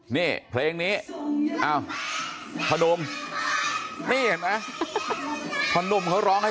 นี่เพลงนี้